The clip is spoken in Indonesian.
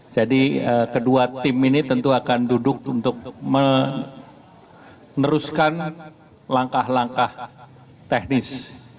jadi kedua tim ini tentu akan duduk untuk meneruskan langkah langkah teknis